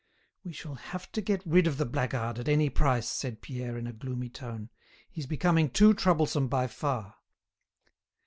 "We shall have to get rid of the blackguard at any price," said Pierre in a gloomy tone. "He's becoming too troublesome by far."